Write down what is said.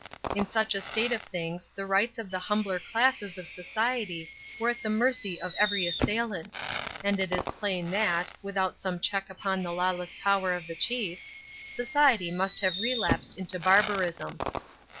In such a state of things the rights of the humbler classes of society were at the mercy of every assailant; and it is plain that, without some check upon the lawless power of the chiefs, society must have relapsed into barbarism.